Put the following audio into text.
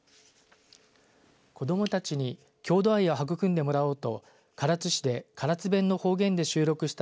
子どもたちに郷土愛を育んでもらおうと唐津市で唐津弁の方言で収録した